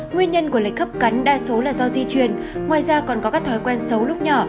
nguyên nhân của lịch cấp cắn đa số là do di truyền ngoài ra còn có các thói quen xấu lúc nhỏ